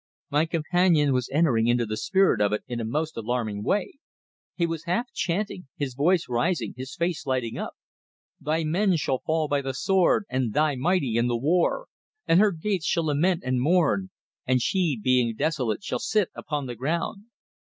My companion was entering into the spirit of it in a most alarming way; he was half chanting, his voice rising, his face lighting up. "'Thy men shall fall by the sword, and thy mighty in the war. And her gates shall lament and mourn; and she being desolate shall sit upon the ground.'"